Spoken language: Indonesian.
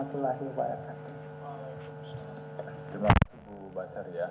terima kasih bu basar ya